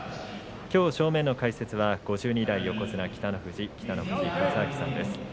きょう正面の解説は５２代横綱北の富士北の富士勝昭さんです。